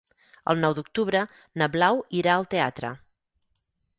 El nou d'octubre na Blau irà al teatre.